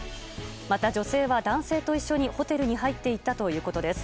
また、女性は男性と一緒にホテルに入っていたということです。